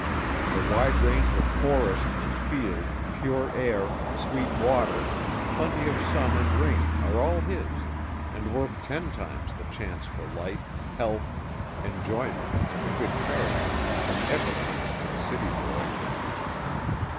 The wide range of forest and field, pure air, sweet water, plenty of sun and rain are all his, and worth ten times the chance for life, health, enjoyment and a good character than ever comes to the city boy.